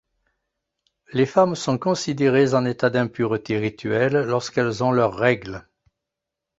Les femmes sont considérées en état d'impureté rituelle lorsqu'elles ont leurs règles.